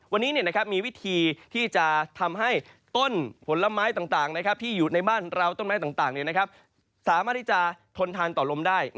วันนี้มีวิธีที่จะทำให้ต้นผลไม้ต่างที่อยู่ในบ้านเราต้นไม้ต่างสามารถที่จะทนทานต่อลมได้